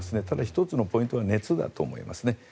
ただ、１つのポイントは熱だと思いますね。